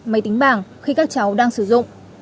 máy tính bảng khi các cháu đang sử dụng